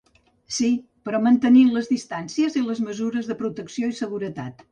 Sí, però mantenint les distàncies i les mesures de protecció i seguretat.